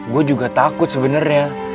gua juga takut sebenernya